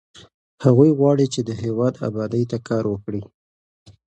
هغوی غواړي چې د هېواد ابادۍ ته کار وکړي.